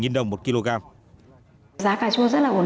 giá cà chua rất là cổ định